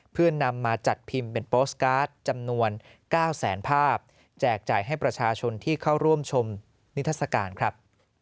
เพื่อนำมาจัดพิมพ์เป็นโปสตการ์ดจำนวน๙แสนภาพแจกจ่ายให้ประชาชนที่เข้าร่วมชมนิทัศกาลครับ